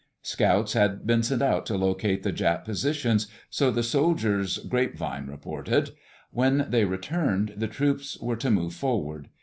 Scouts had been sent out to locate the Jap positions, so the soldiers' "grapevine" reported. When they returned, the troops were to move forward.